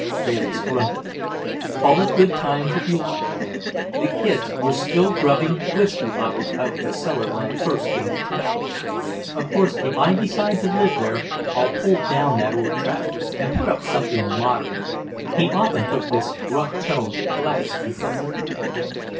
Bayliss grunted. "Call it good times if you like. The kids were still grubbing whiskey bottles out of the cellar when I first came to town. Of course, if I decide to live there, I'll pull down that old trap and put up something modern." He often took this gruff tone with Gladys in public.